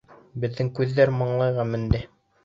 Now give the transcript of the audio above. Беҙҙең күҙҙәр маңлайға менде.